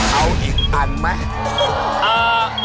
เอาอีกอันไหม